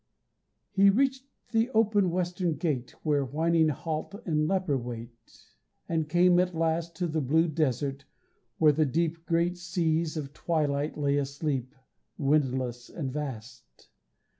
He reached the open western gate Where whining halt and leper wait, And came at last To the blue desert, where the deep Great seas of twilight lay asleep, Windless and vast.